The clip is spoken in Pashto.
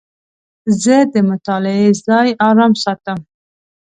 زه د مطالعې ځای آرام ساتم.